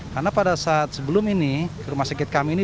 karena pada saat sebelum ini rumah sakit kami ini